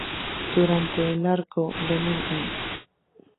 Durante el arco "Venom Inc.